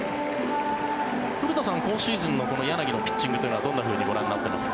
古田さん、今シーズンのこの柳のピッチングはどんなふうにご覧になっていますか？